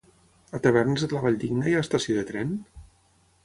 A Tavernes de la Valldigna hi ha estació de tren?